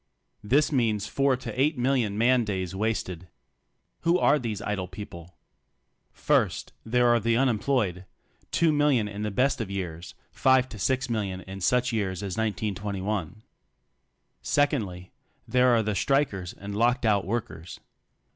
This means four to eight million man days wasted. Who are these idle people ? First, there are the unemployed — two million in the best of years, five to six million in such years as 1921. Secondly, there are the strikers and locked out workers.